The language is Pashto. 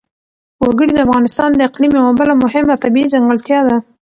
وګړي د افغانستان د اقلیم یوه بله مهمه طبیعي ځانګړتیا ده.